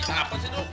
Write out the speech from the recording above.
apa sih dong